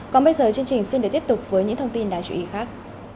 còn bây giờ chương trình xin được tiếp tục với những thông tin đáng chú ý khác